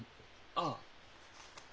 ああ。